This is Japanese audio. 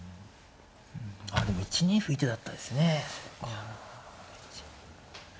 ああでも１二歩いい手だったですね。